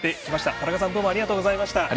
田中さんどうもありがとうございました。